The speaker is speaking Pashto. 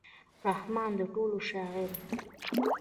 رحمان د ټولو شاعر و.